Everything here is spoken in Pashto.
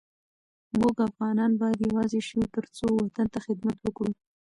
مونږ افغانان باید یوزاي شو ترڅو وطن ته خدمت وکړو